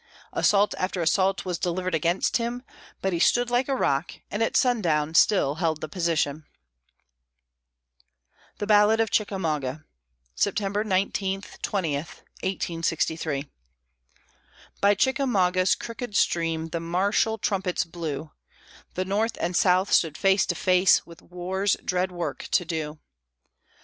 Assault after assault was delivered against him, but he stood like a rock, and at sundown still held the position. THE BALLAD OF CHICKAMAUGA [September 19, 20, 1863] By Chickamauga's crooked stream the martial trumpets blew; The North and South stood face to face, with War's dread work to do.